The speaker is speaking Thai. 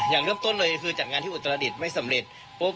อย่างเริ่มต้นเลยคือจัดงานที่อุตระลัดิตที่ไม่สำเร็จ